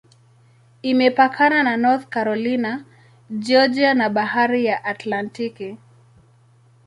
Imepakana na North Carolina, Georgia na Bahari ya Atlantiki.